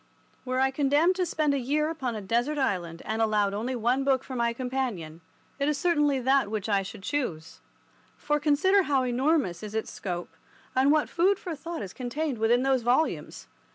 Were I condemned to spend a year upon a desert island and allowed only one book for my companion, it is certainly that which I should choose. For consider how enormous is its scope, and what food for thought is contained within those volumes.